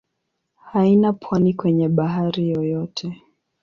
Haina pwani kwenye bahari yoyote.